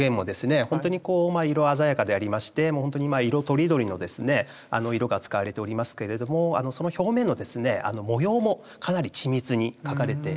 ほんとに色鮮やかでありましてほんとに色とりどりの色が使われておりますけれどもその表面の模様もかなり緻密に描かれています。